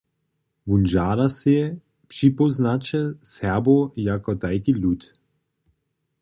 Wón žada sej připóznaće Serbow jako tajki lud.